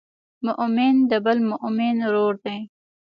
مؤمن د بل مؤمن ورور دی.